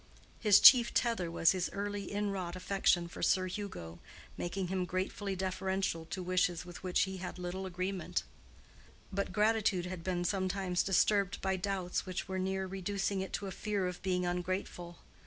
His chief tether was his early inwrought affection for Sir Hugo, making him gratefully deferential to wishes with which he had little agreement: but gratitude had been sometimes disturbed by doubts which were near reducing it to a fear of being ungrateful.